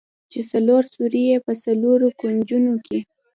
چې څلور سوري يې په څلورو کونجونو کښې.